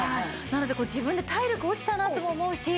なので自分で体力落ちたなとも思うし。